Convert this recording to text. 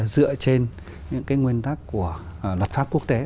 dựa trên những cái nguyên tắc của luật pháp quốc tế